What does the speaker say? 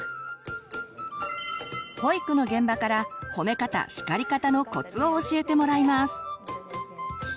保育の現場から「褒め方・叱り方」のコツを教えてもらいます。